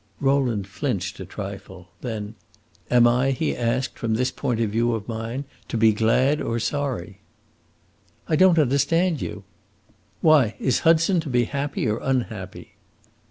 Rowland flinched a trifle. Then "Am I," he asked, "from this point of view of mine, to be glad or sorry?" "I don't understand you." "Why, is Hudson to be happy, or unhappy?"